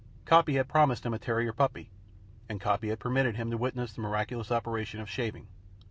Coppy had promised him a terrier puppy; and Coppy had permitted him to witness the miraculous operation of shaving.